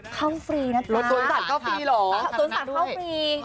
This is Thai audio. ฟรีนะจ๊ะสวนสัตว์เข้าฟรีเหรอสวนสัตว์เข้าฟรี